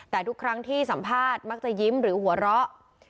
แต่ทุกครั้งที่สัมภาษณ์มักจะยิ้มหรือหัวเราะ